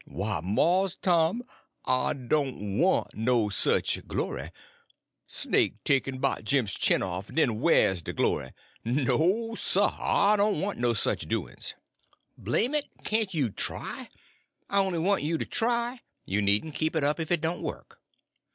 "Why, Mars Tom, I doan' want no sich glory. Snake take 'n bite Jim's chin off, den whah is de glory? No, sah, I doan' want no sich doin's." "Blame it, can't you try? I only want you to try—you needn't keep it up if it don't work."